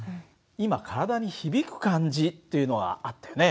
今体に響く感じというのがあったよね。